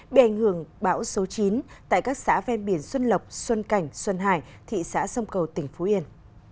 bị ảnh hưởng bão số chín tại các xã ven biển xuân lộc xuân cảnh xuân hải thị xã sông cầu tỉnh phú yên